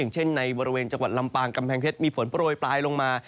เช่นในบริเวณจังหวัดลำปางกำแพงเพชรมีฝนโปรยปลายลงมา